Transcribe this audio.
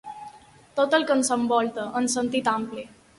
Tot el que ens envolta, en sentit ampli.